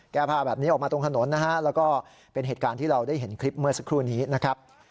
แก้ผ้าแบบนี้ออกมาตรงถนนนะฮะแล้วก็เป็นเหตุการณ์ที่เราได้เห็นคลิปเมื่อสักครู่นี้นะครับ